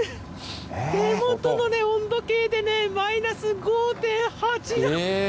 手元の温度計でマイナス５．８度。